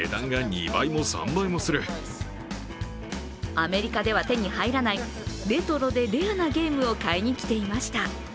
アメリカでは手に入らないレトロでレアなゲームを買いに来ていました。